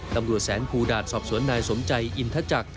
ตำรวจแสนภูดาตสอบสวนนายสมใจอินทจักร